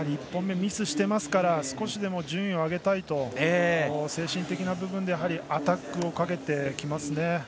１本目ミスしているので少しでも順位を上げたいと精神的な部分でアタックをかけてきますね。